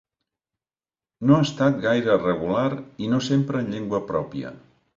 No ha estat gaire regular i no sempre en llengua pròpia.